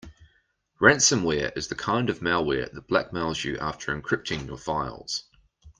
Ransomware is the kind of malware that blackmails you after encrypting your files.